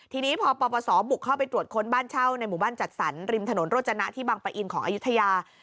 ทีนี้พอปปศบุกเข้าไปตรวจค้นบ้านเช่าในหมู่บ้านจัดสรรริมถนนโรจนะที่บังปะอินของอายุทยา